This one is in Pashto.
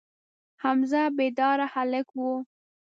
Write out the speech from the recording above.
حمزه بیداره هلک و.